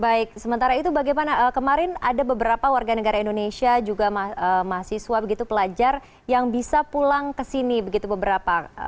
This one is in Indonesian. baik sementara itu bagaimana kemarin ada beberapa warga negara indonesia juga mahasiswa begitu pelajar yang bisa pulang ke sini begitu beberapa